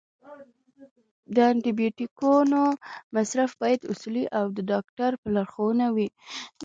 د انټي بیوټیکونو مصرف باید اصولي او د ډاکټر په لارښوونه وي.